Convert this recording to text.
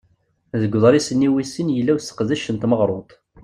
Deg uḍṛis-nni wis sin yella useqdec n tmeɣruḍt.